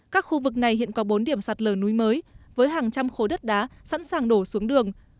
các khu vực này hiện có bốn điểm sạt lở núi mới với hàng trăm khối đất đá sẵn sàng đổ xuống đường